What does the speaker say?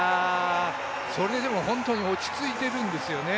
それでも本当に落ち着いているんですよね。